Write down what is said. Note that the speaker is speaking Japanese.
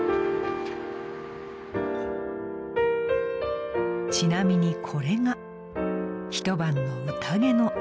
［ちなみにこれが一晩の宴のあと］